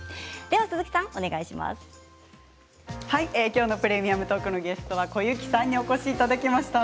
今日の「プレミアムトーク」のゲストは小雪さんにお越しいただきました。